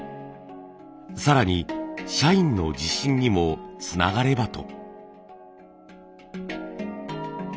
更に社員の自信にもつながればと。